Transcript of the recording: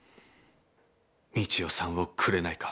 三千代さんをくれないか」。